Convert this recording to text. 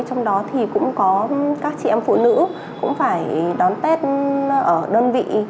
trong đó thì cũng có các chị em phụ nữ cũng phải đón tết ở đơn vị